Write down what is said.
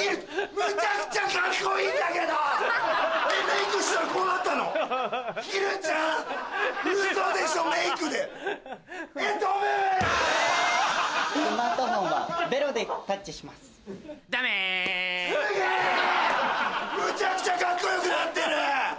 むちゃくちゃカッコよくなってる！